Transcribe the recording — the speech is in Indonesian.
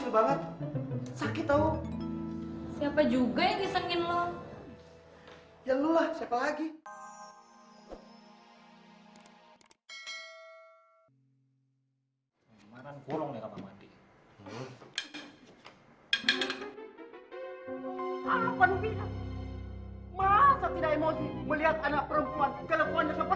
masa tidak emosi melihat anak perempuan gelap gelap seperti anak laki laki